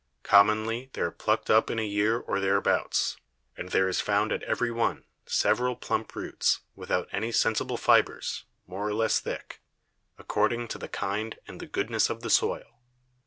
Commonly they are pluck'd up in a Year or thereabouts; and there is found at every one, several plump Roots, without any sensible Fibres, more or less thick, according to the Kind and the Goodness of the Soil.